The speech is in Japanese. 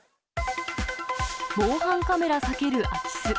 防犯カメラ避ける空き巣。